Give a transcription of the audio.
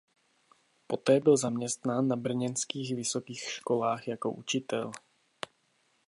Poté byl zaměstnán na brněnských vysokých školách jako učitel.